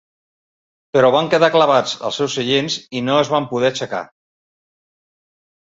Però van quedar clavats als seus seients i no es van poder aixecar.